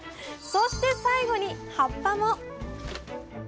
そして最後に葉っぱも。